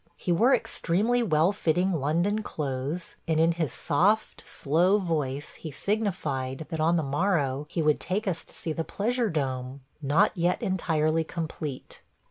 He wore extremely well fitting London clothes, and in his soft, slow voice he signified that on the morrow he would take us to see the pleasure dome – not yet entirely complete.